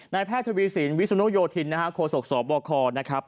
นายแพทย์ทวีสินวิสุโนโยธินโคศกศอบบ่อคอร์นะครับ